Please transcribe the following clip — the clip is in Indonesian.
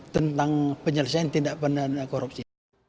tentang penyelesaian tindak pidana korupsi